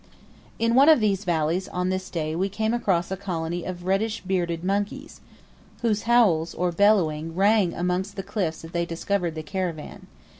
In one of these valleys on this day we came across a colony of reddish bearded monkeys, whose howls, or bellowing, rang amongst the cliffs as they discovered the caravan.